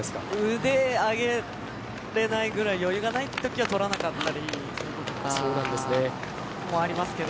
腕、上げれないぐらい余裕がない時は取らなかったりもありますけど。